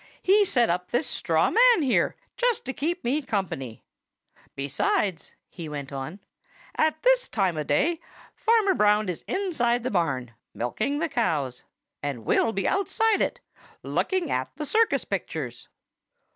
He set up this straw man here, just to keep me company. ... Besides," he went on, "at this time o' day Farmer Green is inside the barn, milking the cows. And we'll be outside it, looking at the circus pictures."